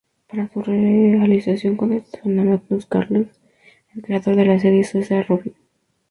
Para su realización, contrataron a Magnus Carlsson, el creador de la serie sueca "Robin".